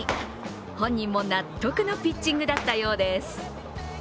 本人も納得のピッチングだったようです。